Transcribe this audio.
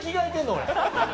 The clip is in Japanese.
俺。